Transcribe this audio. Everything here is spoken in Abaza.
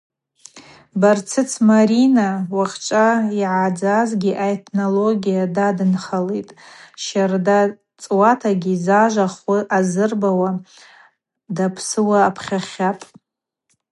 Барцыц Марина уахьчӏва йъагӏадзазгьи аэтнология дадынхалитӏ, щарда цӏуатагьи зажва хвы азырбауа дапсыуа апхьахьапӏ.